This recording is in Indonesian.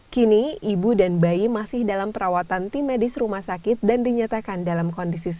kini ibu dan bayi masih dalam perawatan tim medis rumah sakit dan dinyatakan dalam kondisi sehat